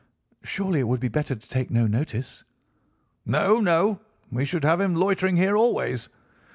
"'Surely it would be better to take no notice.' "'No, no, we should have him loitering here always.